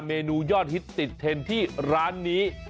เมนูยอดฮิตติดเทนที่ร้านนี้